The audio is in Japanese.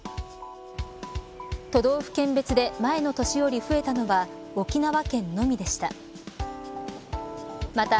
都道府県別で前の年より増えたのは沖縄県のみでした。